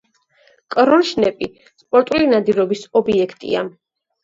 კრონშნეპი სპორტული ნადირობის ობიექტია.